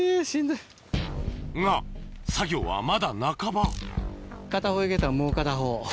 が作業はまだ半ば片方行けたらもう片方。